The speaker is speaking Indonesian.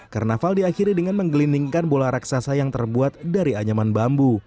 karnaval diakhiri dengan menggelindingkan bola raksasa yang terbuat dari anyaman bambu